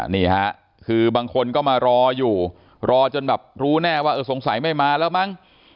นี่ฮะคือบางคนก็มารออยู่รอจนแบบรู้แน่ว่าเออสงสัยไม่มาแล้วมั้ง